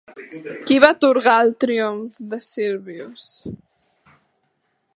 Qui va atorgar el triomf de Silvius?